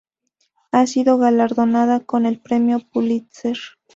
Ha sido galardonada con el Premio Pulitzer.